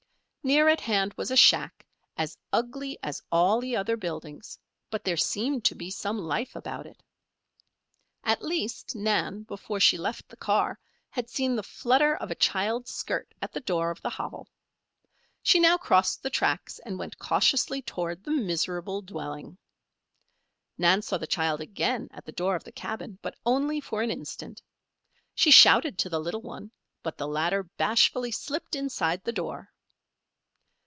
Near at hand was a shack, as ugly as all the other buildings; but there seemed to be some life about it. At least, Nan, before she left the car, had seen the flutter of a child's skirt at the door of the hovel. She now crossed the tracks and went cautiously toward the miserable dwelling. Nan saw the child again at the door of the cabin, but only for an instant. She shouted to the little one, but the latter bashfully slipped inside the door.